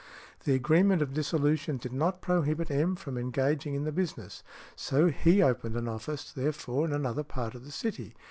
The agreement of dissolution did not prohibit M. from engaging in the business, so he opened an office therefor in another part of the city.